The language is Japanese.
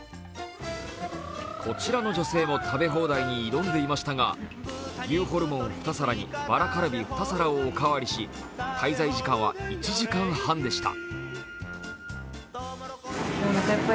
こちらの女性も食べ放題に挑んでいましたが牛ホルモン２皿にバラカルビ２皿をお代わりし滞在時間は１時間半でした。